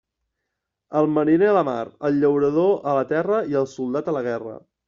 El mariner a la mar; el llaurador, a la terra, i el soldat, a la guerra.